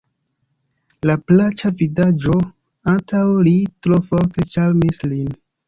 La plaĉa vidaĵo antaŭ li tro forte ĉarmis lin.